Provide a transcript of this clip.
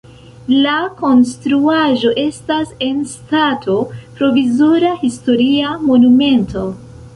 La konstruaĵo estas en stato provizora historia monumento.